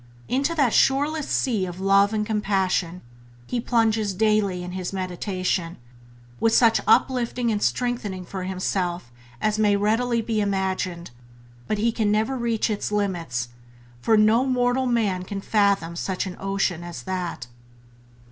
Into that shoreless sea of Love and Compassion he plunges daily in his meditation, with such upliftment and strengthening for himself as may readily be imagined; but he can never reach its limits, for no mortal man can fathom such an ocean as that.